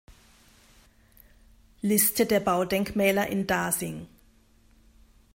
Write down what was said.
Liste der Baudenkmäler in Dasing